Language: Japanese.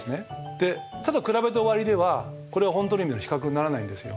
でただ比べて終わりではこれは本当の意味での比較にならないんですよ。